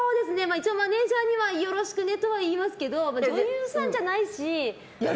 一応、マネジャーにはよろしくねとは言いますけど女優さんじゃないし。